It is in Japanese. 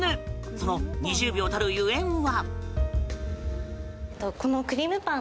その２０秒たるゆえんは？